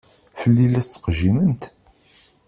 Fell-i i la tettqejjimemt?